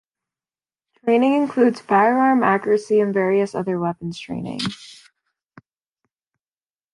Training includes firearm accuracy and various other weapons training.